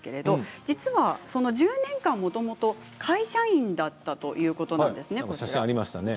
実は１０年間もともと会社員だったということなんですね。